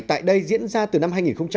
tại đây diễn ra từ năm hai nghìn một mươi